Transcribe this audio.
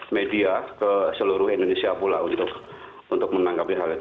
media ke seluruh indonesia pulangnya karena media itu sudah jadi online semula ke seluruh indonesia pulangnya